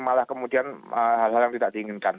malah kemudian hal hal yang tidak diinginkan